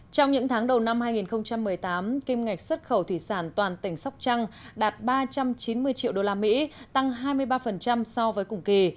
trong những tháng đầu năm hai nghìn một mươi tám kim ngạch xuất khẩu thủy sản toàn tỉnh sóc trăng đạt ba trăm chín mươi triệu usd tăng hai mươi ba so với cùng kỳ